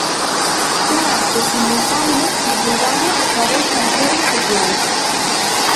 Un acto simultáneo divulgado a través das redes sociais.